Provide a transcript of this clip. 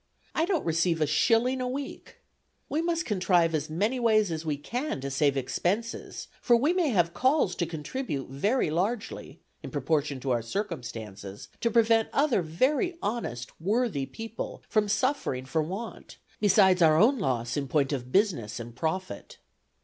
I don't receive a shilling a week. We must contrive as many ways as we can to save expenses; for we may have calls to contribute very largely, in proportion to our circumstances, to prevent other very honest worthy people from suffering for want, besides our own loss in point of business and profit.